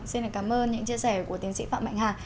xin cảm ơn những chia sẻ của tiến sĩ phạm mạnh hà